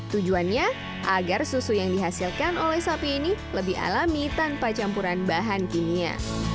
tujuannya agar susu yang dihasilkan oleh sapi ini lebih alami tanpa campuran bahan kimia